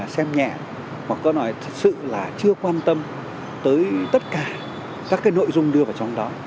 có thể nói là thật sự là chưa quan tâm tới tất cả các cái nội dung đưa vào trong đó